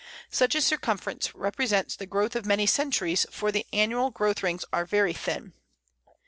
Such a circumference represents the growth of many centuries, for the annual growth rings are very thin.